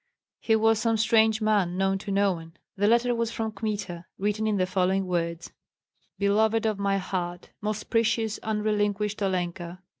He was some strange man, known to no one. The letter was from Kmita, written in the following words: "Beloved of my heart, most precious, unrelinquished Olenka!